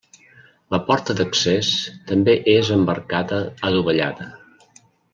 La porta d'accés també és amb arcada adovellada.